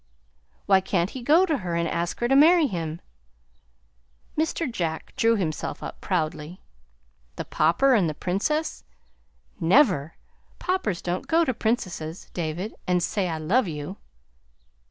"Why can't he go to her and ask her to marry him?" Mr. Jack drew himself up proudly. "The Pauper and the Princess? Never! Paupers don't go to Princesses, David, and say, 'I love you.'"